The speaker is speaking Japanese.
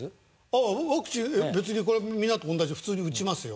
あっワクチン別にこれはみんなと同じで普通に打ちますよ。